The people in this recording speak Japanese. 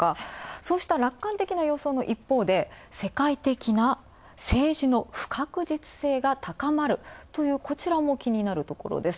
そうした楽観的な予想の一方で、世界的な政治の不確実性が高まるという、こちらも気になるところです。